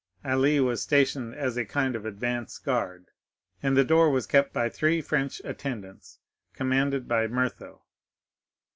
Ali was stationed as a kind of advanced guard, and the door was kept by the three French attendants, commanded by Myrtho.